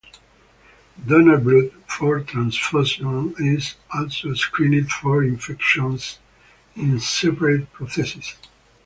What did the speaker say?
Donor blood for transfusion is also screened for infections in separate processes.